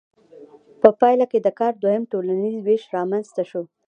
په پایله کې د کار دویم ټولنیز ویش رامنځته شو.